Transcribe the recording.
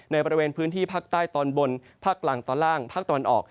บริเวณพื้นที่ภาคใต้ตอนบนภาคกลางตอนล่างภาคตะวันออก